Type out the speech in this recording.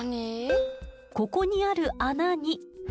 ここにある穴に。